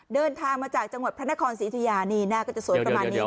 เดินทางมาจากจังหวัดพระนครศรีธุยานีน่ะก็จะสวยประมาณนี้นะคะเดี๋ยว